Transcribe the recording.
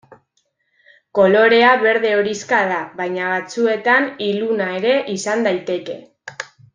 Kolorea berde-horixka da, baina batzuetan iluna ere izan daiteke.